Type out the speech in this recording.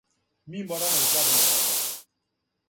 Ми морамо да гледамо себе.